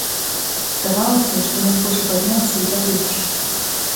Здавалася, што ён хоча падняцца і пабегчы.